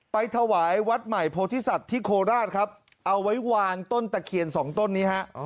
ถวายวัดใหม่โพธิสัตว์ที่โคราชครับเอาไว้วางต้นตะเคียนสองต้นนี้ฮะ